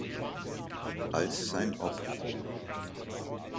Als sein op.